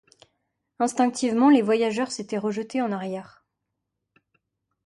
Instinctivement, les voyageurs s’étaient rejetés en arrière.